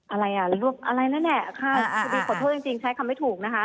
อะไรนั่นแหละขอโทษจริงใช้คำไม่ถูกนะคะ